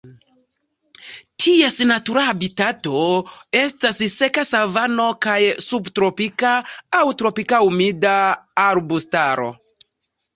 Ties natura habitato estas seka savano kaj subtropika aŭ tropika humida arbustaro.